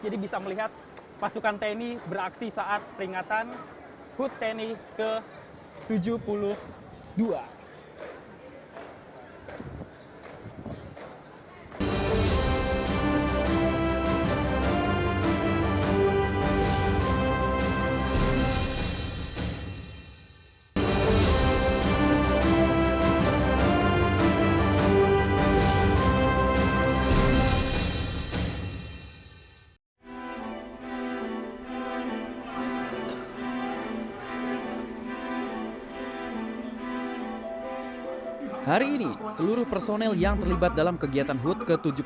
jadi bisa melihat pasukan tni beraksi saat peringatan hood tni ke tujuh puluh dua